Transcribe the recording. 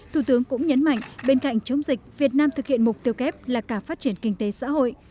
thủ tướng cũng nhấn mạnh bên cạnh chống dịch việt nam thực hiện mục tiêu kép là cả phát triển kinh tế xã hội